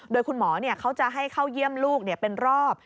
โดยคุณหมอเขาจะให้เข้าเยี่ยมลูกเป็นรอบ